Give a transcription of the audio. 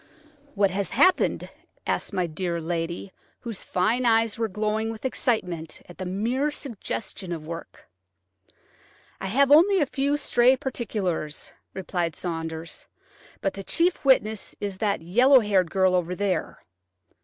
"What has happened?" asked my dear lady, whose fine eyes were glowing with excitement at the mere suggestion of work. "I have only a few stray particulars," replied Saunders, "but the chief witness is that yellow haired girl over there.